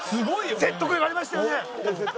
説得力ありましたよね。